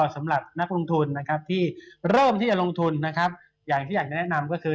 สำหรับนักลงทุนที่เริ่มที่จะลงทุนอย่างที่อยากจะแนะนำก็คือ